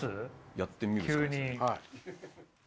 やってみるしかないですね。